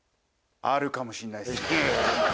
あるかもしんないっす。